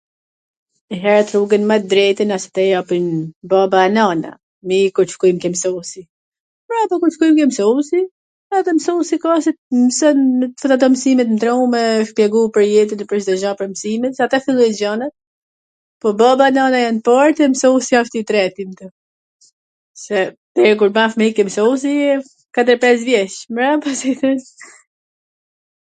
Herwt rrugwn ma t drejtwn ta japin baba e nana, deri kur t shkoj ke msusi, mbrapa kur shkojn ke msusi, edhe msusi ka, mson twr ato msime n tru me shpjegu pwr jetwn e pwr Cdo gja pwr msimwt, atje fillojn gjanat, po baba e nana jan t part e msusi asht i treti, se kur ban fmij ke msusi, katwr pes vjeC, mbrapa si i thojn...